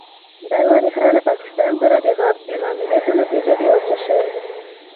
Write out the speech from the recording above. دغه ریښه له پاکستان سره د غرب د معاملې په نتیجه کې وچه شوې.